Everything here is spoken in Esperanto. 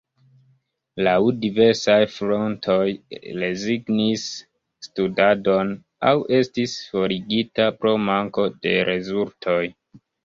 Laŭ diversaj fontoj rezignis studadon aŭ estis forigita pro manko de rezultoj.